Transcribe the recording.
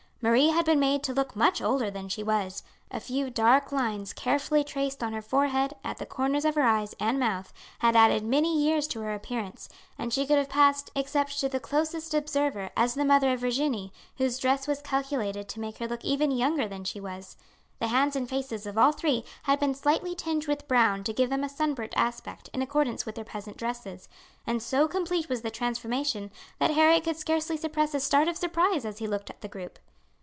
Marie had been made to look much older than she was. A few dark lines carefully traced on her forehead, at the corners of her eyes and mouth, had added many years to her appearance, and she could have passed, except to the closest observer, as the mother of Virginie, whose dress was calculated to make her look even younger than she was. The hands and faces of all three had been slightly tinged with brown to give them a sun burnt aspect in accordance with their peasant dresses, and so complete was the transformation that Harry could scarcely suppress a start of surprise as he looked at the group.